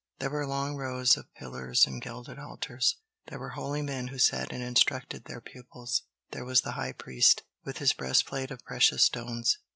There were long rows of pillars and gilded altars; there were holy men who sat and instructed their pupils; there was the high priest with his breastplate of precious stones.